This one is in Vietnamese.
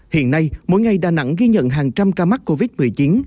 hiện nay mỗi ngày đà nẵng ghi nhận hàng trăm ca mắc covid một mươi chín